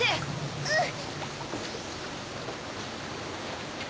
うん！